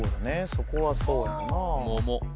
そこはそうやろな「桃」